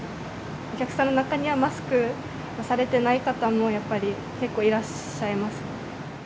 お客さんの中には、マスクをされてない方もやっぱり結構いらっしゃいます。